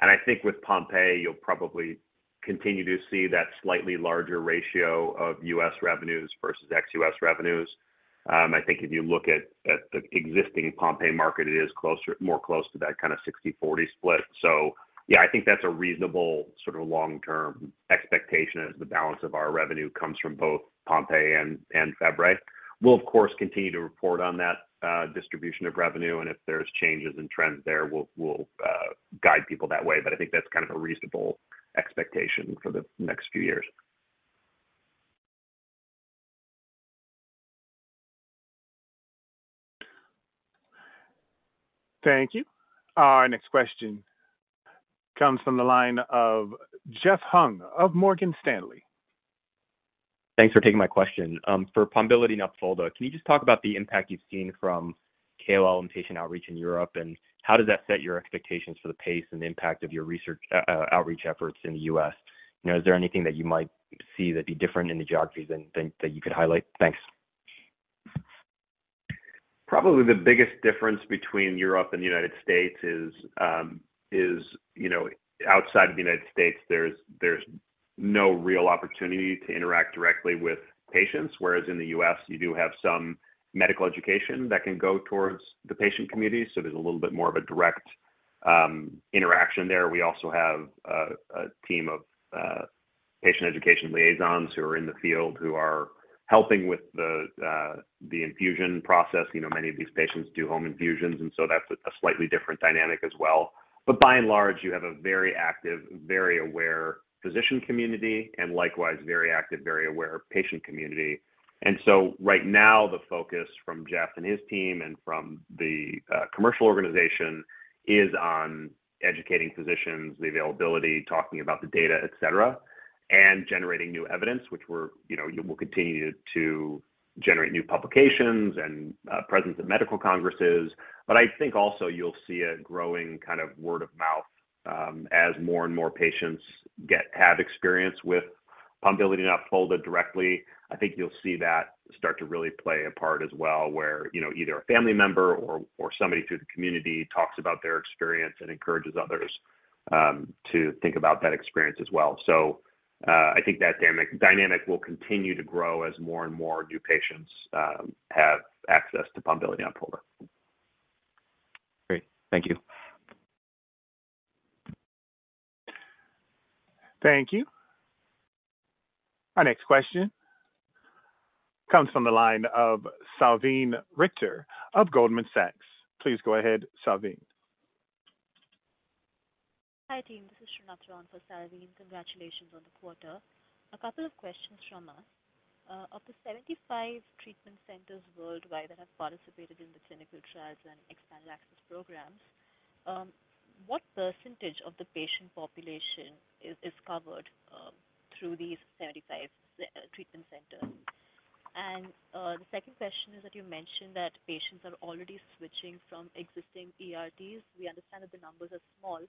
And I think with Pompe, you'll probably continue to see that slightly larger ratio of U.S. revenues versus ex-U.S. revenues. I think if you look at the existing Pompe market, it is closer, more close to that kind of 60/40 split. So yeah, I think that's a reasonable sort of long-term expectation as the balance of our revenue comes from both Pompe and Fabry. We'll, of course, continue to report on that distribution of revenue, and if there's changes in trends there, we'll guide people that way. But I think that's kind of a reasonable expectation for the next few years. Thank you. Our next question comes from the line of Jeff Hung of Morgan Stanley. Thanks for taking my question. For Pombiliti and Opfolda, can you just talk about the impact you've seen from KOL and patient outreach in Europe, and how does that set your expectations for the pace and the impact of your research, outreach efforts in the U.S.? You know, is there anything that you might see that be different in the geographies than that you could highlight? Thanks. Probably the biggest difference between Europe and the United States is, you know, outside of the United States, there's no real opportunity to interact directly with patients, whereas in the U.S., you do have some medical education that can go towards the patient community. So there's a little bit more of a direct interaction there. We also have a team of patient education liaisons who are in the field, who are helping with the infusion process. You know, many of these patients do home infusions, and so that's a slightly different dynamic as well. But by and large, you have a very active, very aware physician community and likewise very active, very aware patient community. Right now, the focus from Jeff and his team and from the commercial organization is on educating physicians, the availability, talking about the data, et cetera, and generating new evidence, which we're, you know, we'll continue to generate new publications and presence at medical congresses. But I think also you'll see a growing kind of word of mouth as more and more patients have experience with Pombiliti and Opfolda directly. I think you'll see that start to really play a part as well, where, you know, either a family member or somebody through the community talks about their experience and encourages others to think about that experience as well. I think that dynamic will continue to grow as more and more new patients have access to Pombiliti and Opfolda. Great. Thank you. Thank you. Our next question comes from the line of Salveen Richter of Goldman Sachs. Please go ahead, Salveen. Hi, team. This is Sreenath on for Salveen. Congratulations on the quarter. A couple of questions from us. Of the 75 treatment centers worldwide that have participated in the clinical trials and expanded access programs, what percentage of the patient population is covered through these 75 treatment centers? And the second question is that you mentioned that patients are already switching from existing ERTs. We understand that the numbers are small,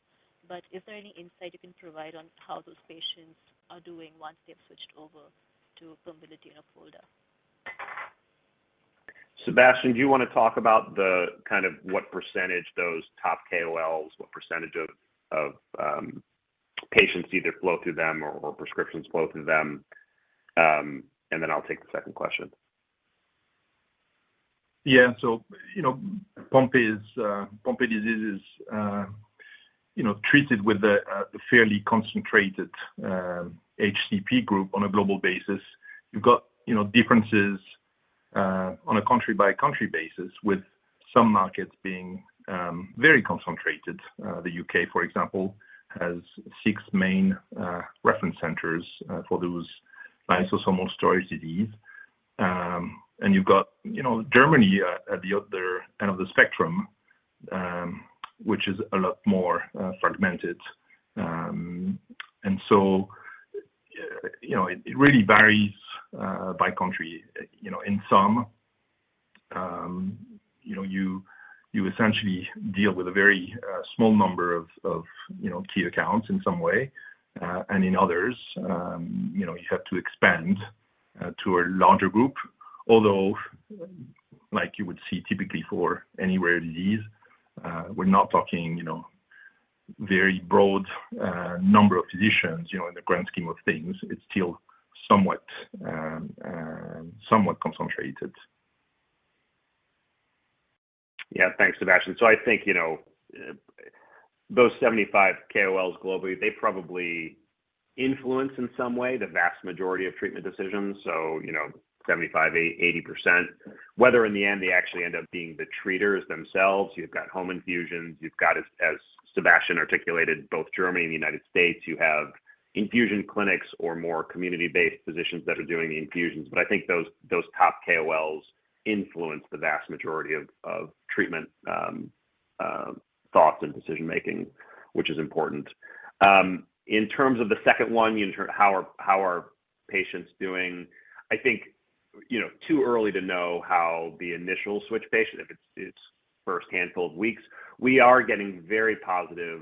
but is there any insight you can provide on how those patients are doing once they've switched over to Pombiliti and Opfolda? Sébastien, do you want to talk about the kind of what percentage those top KOLs, what percentage of, of, patients either flow through them or, or prescriptions flow through them? And then I'll take the second question. Yeah, so, you know, Pompe is, Pompe disease is, you know, treated with a fairly concentrated HCP group on a global basis. You've got, you know, differences on a country-by-country basis, with some markets being very concentrated. The U.K., for example, has six main reference centers for those lysosomal storage disease. And you've got, you know, Germany at the other end of the spectrum, which is a lot more fragmented. And so, you know, it really varies by country. You know, in some, you know, you essentially deal with a very small number of, you know, key accounts in some way, and in others, you know, you have to expand to a larger group. Although, like you would see typically for any rare disease, we're not talking, you know, very broad number of physicians, you know, in the grand scheme of things. It's still somewhat concentrated. Yeah. Thanks, Sébastien. So I think, you know, those 75 KOLs globally, they probably influence in some way the vast majority of treatment decisions, so, you know, 75, 80%. Whether in the end, they actually end up being the treaters themselves, you've got home infusions, you've got, as, as Sébastien articulated, both Germany and the United States, you have infusion clinics or more community-based physicians that are doing the infusions. But I think those, those top KOLs influence the vast majority of, of treatment, thoughts and decision-making, which is important. In terms of the second one, how are patients doing? I think, you know, too early to know how the initial switch patient, if it's the first handful of weeks. We are getting very positive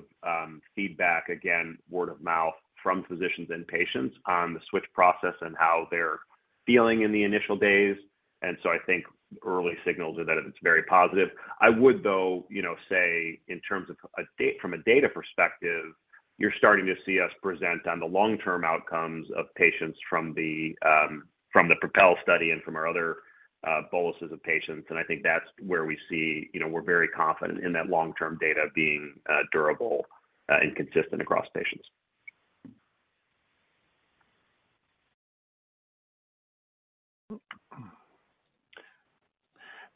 feedback, again, word of mouth from physicians and patients on the switch process and how they're feeling in the initial days. And so I think early signals are that it's very positive. I would, though, you know, say in terms of from a data perspective, you're starting to see us present on the long-term outcomes of patients from the PROPEL study and from our other boluses of patients. And I think that's where we see, you know, we're very confident in that long-term data being durable and consistent across patients.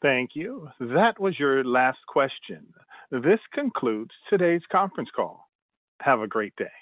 Thank you. That was your last question. This concludes today's conference call. Have a great day.